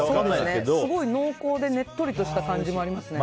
すごい濃厚でねっとりとした感じもありますね。